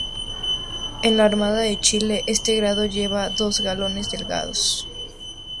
En la Armada de Chile este grado lleva dos galones delgados.